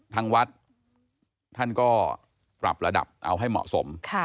ทางวัดท่านก็ปรับระดับเอาให้เหมาะสม